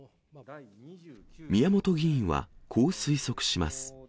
宮本議員は、こう推測します。